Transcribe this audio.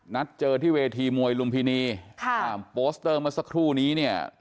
นัดเจอที่เวทีมวยลุมพินีค่ะโปสเตอร์เมื่อสักครู่นี้เนี่ย